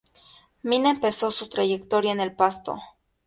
Mina empezó su trayectoria en el Pasto.